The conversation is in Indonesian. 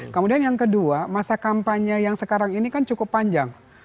kemudian yang kedua masa kampanye yang sekarang ini kan cukup panjang